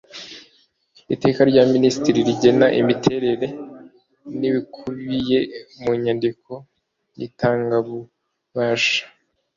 iteka rya minisitiri rigena imiterere n'ibikubiye mu nyandiko y'itangabubasha